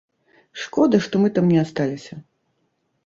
Шкода, што мы там не асталіся.